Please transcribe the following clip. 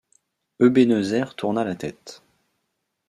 Ebenezer tourna la tête.